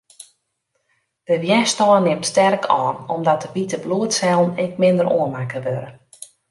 De wjerstân nimt sterk ôf, omdat de wite bloedsellen ek minder oanmakke wurde.